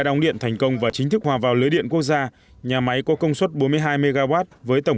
đong điện thành công và chính thức hòa vào lưới điện quốc gia nhà máy có công suất bốn mươi hai mw với tổng